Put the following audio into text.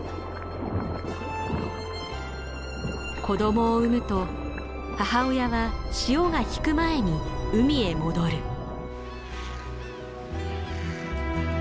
子供を産むと母親は潮が引く前に海へ戻る。